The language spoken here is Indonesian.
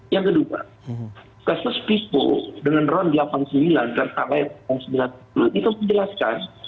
yang kedua kasmas pipo dengan ron delapan puluh sembilan pertalion ron sembilan puluh itu menjelaskan